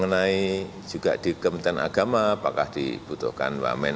yang berkaitan dengan kualitas manajemen